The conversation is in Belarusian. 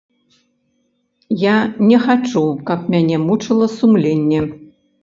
Я не хачу, каб мяне мучыла сумленне.